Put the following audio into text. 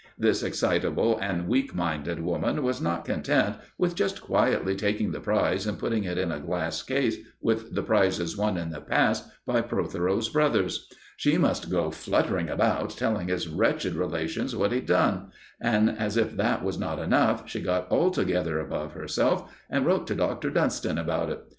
This excitable and weak minded woman was not content with just quietly taking the prize and putting it in a glass case with the prizes won in the past by Protheroe's brothers. She must go fluttering about telling his wretched relations what he'd done; and, as if that was not enough, she got altogether above herself and wrote to Dr. Dunston about it.